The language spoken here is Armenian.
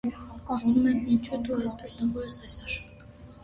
- Ասում եմ ինչո՞ւ դու այդպես տխուր ես այսօր: